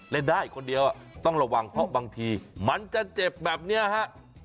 ได้คนเดียวต้องระวังเพราะบางทีมันจะเจ็บแบบนี้ฮะ